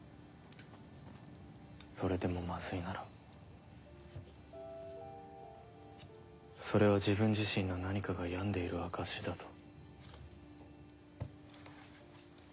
それでもまずいならそれは自分自身の何かが病んでいる証しだと。